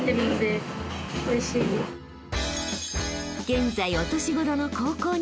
［現在お年頃の］